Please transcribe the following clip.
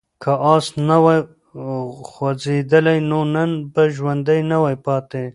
که آس نه وای خوځېدلی نو نن به ژوندی نه وای پاتې.